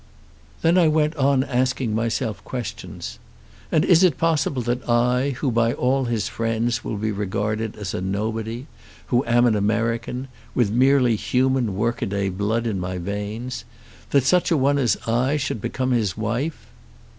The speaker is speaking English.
"Then I went on asking myself questions. And is it possible that I, who by all his friends will be regarded as a nobody, who am an American, with merely human workaday blood in my veins, that such a one as I should become his wife?